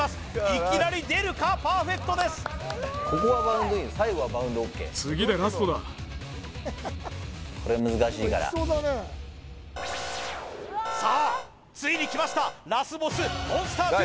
いきなり出るかパーフェクトですさあついにきましたラスボスモンスター